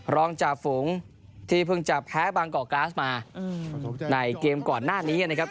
จ่าฝูงที่เพิ่งจะแพ้บางกอกกราสมาในเกมก่อนหน้านี้นะครับ